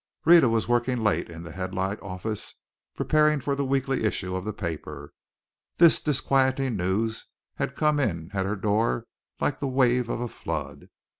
Rhetta was working late in the Headlight office, preparing for the weekly issue of the paper. This disquieting news had come in at her door like the wave of a flood.